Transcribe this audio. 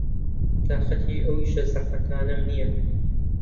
تاقەتی ئەو ئیشە زەحمەتانەم نییە.